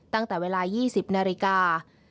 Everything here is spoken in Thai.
ตั้งแต่เวลา๒๐นาฬิกา